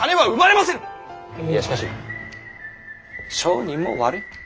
いやしかし商人も悪い。